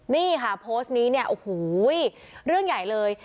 นี่ค่ะโพสต์นี้เนี่ยโอ้โหเรื่องใหญ่เลย